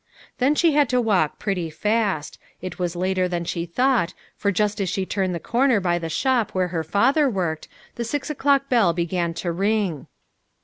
Then she had to walk pretty fast ; it was later than she thought, for just as she turned the corner by the shop where her father worked, the six o'clock bell began to ring.